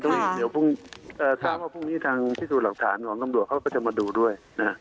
ต้องเห็นเดี๋ยวพรุ่งนี้ทางพิสูจน์หลักฐานของกำรวจเขาก็จะมาดูด้วย